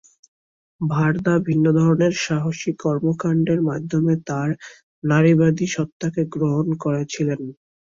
ভারদা ভিন্ন ধরনের সাহসী কর্মকাণ্ডের মাধ্যমে তার নারীবাদী সত্তাকে গ্রহণ করেছিলেন।